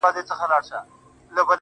چي په سختو بدو ورځو د بلا مخ ته دریږي٫